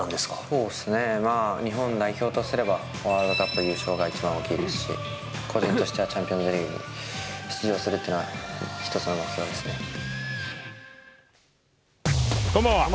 そうですね、日本代表とすれば、ワールドカップ優勝が一番大きいですし、個人としてはチャンピオンズリーグ出場するっていうのは、一つのこんばんは。